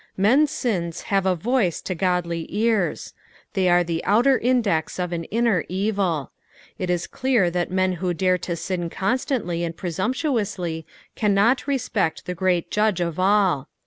Men's sins have a Toice to godly ears. They are the outer index of an inner evil. It is clear that men who dare to sin constontlj and presumptuously cannot respect the great Judge of all.